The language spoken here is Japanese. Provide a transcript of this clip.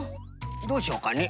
どうしようかね。